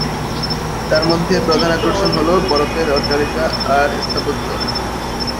তার মধ্যে প্রধান আকর্ষণ হলো বরফের অট্টালিকা আর স্থাপত্য।